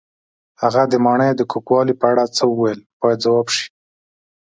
هغه د ماڼۍ د کوږوالي په اړه څه وویل باید ځواب شي.